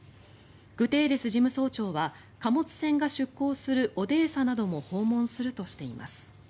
グテーレス事務総長は貨物船が出港するオデーサなども訪問するとしています。